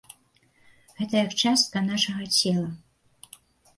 Гэта як частка нашага цела.